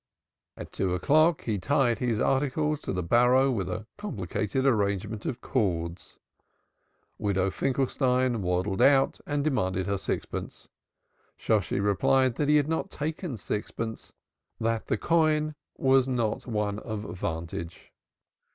At two o'clock he tied his articles to the barrow with a complicated arrangement of cords. Widow Finkelstein waddled out and demanded her sixpence. Shosshi replied that he had not taken sixpence, that the coign was not one of vantage.